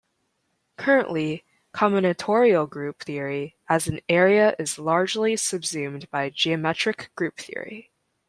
Currently combinatorial group theory as an area is largely subsumed by geometric group theory.